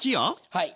はい。